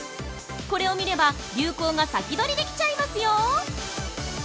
これを見れば流行が先取りできちゃいますよ。